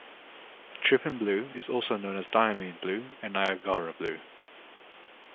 Trypan blue is also known as diamine blue and Niagara blue.